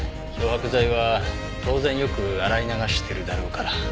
漂白剤は当然よく洗い流してるだろうから。